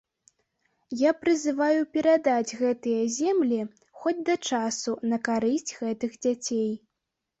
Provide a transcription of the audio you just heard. Я прызываю перадаць гэтыя землі, хоць да часу, на карысць гэтых дзяцей.